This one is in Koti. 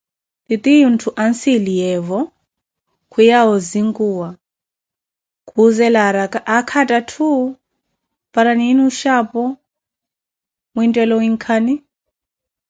Titiyunthu anssiliyevo kwiya osinkuwa, khuzela aakha athaathu? Paara nini oshxi aphoo, mwinthela owinkani?